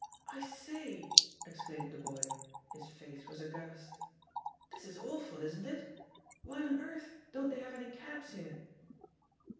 "I sayr exclaimed the boy — ^his face was aghast — "this is awful, isn't it? Why on earth don't they have any cabs here?"